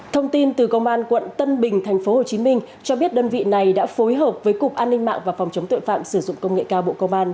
thông tin từ công an quận tân bình tp hcm cho biết đơn vị này đã phối hợp với cục an ninh mạng và phòng chống tội phạm sử dụng công nghệ cao bộ công an